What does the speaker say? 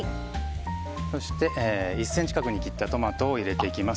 そして１ｃｍ角に切ったトマトを入れていきます。